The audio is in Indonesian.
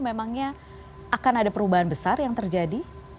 memangnya akan ada perubahan besar yang terjadi